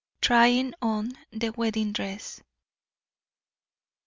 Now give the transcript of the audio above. TRYING ON THE WEDDING DRESS.